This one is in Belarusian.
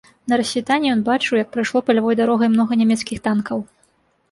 На рассвітанні ён бачыў, як прайшло палявой дарогай многа нямецкіх танкаў.